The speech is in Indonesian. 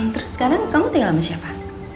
terus sekarang kamu tinggal sama siapa